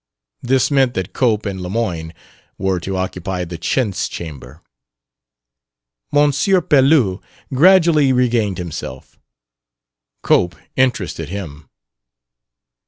This meant that Cope and Lemoyne were to occupy the chintz chamber. M. Pelouse gradually regained himself. Cope interested him.